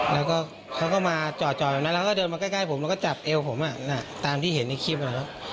แล้วก็เขาก็มาจอดแบบนั้นแล้วก็เดินมาใกล้ผมแล้วก็จับเอวผมตามที่เห็นในคลิปนะครับ